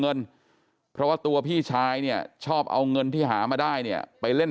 เงินเพราะว่าตัวพี่ชายเนี่ยชอบเอาเงินที่หามาได้เนี่ยไปเล่น